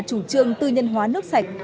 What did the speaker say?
chủ trương tư nhân hóa nước sạch